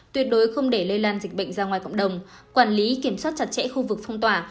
tuyệt đối không để lây lan dịch bệnh ra ngoài cộng đồng quản lý kiểm soát chặt chẽ khu vực phong tỏa